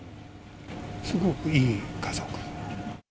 すごくいい家族。